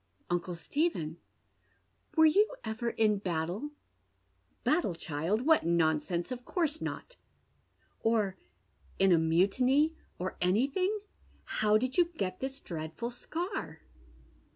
" Uncle Stephen, were you ever in battle ?"" Battle, child ? What nonsense ! Of course not." " Or in a^mutiny — or anything ? How did you get this dread ful scar